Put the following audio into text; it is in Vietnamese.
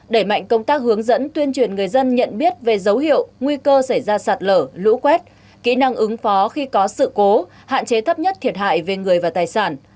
đẩy mạnh công tác hướng dẫn tuyên truyền người dân nhận biết về dấu hiệu nguy cơ xảy ra sạt lở lũ quét kỹ năng ứng phó khi có sự cố hạn chế thấp nhất thiệt hại về người và tài sản